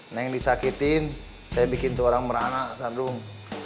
neng disakitin saya bikin seorang merana sardung